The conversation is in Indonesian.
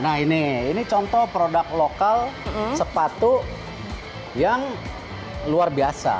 nah ini ini contoh produk lokal sepatu yang luar biasa